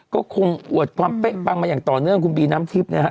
ก็คงอวดความเป๊ะปังมาอย่างต่อเนื่องคุณบีน้ำทิพย์นะฮะ